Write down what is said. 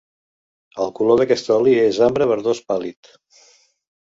El color d’aquest oli és ambre verdós pàl·lid.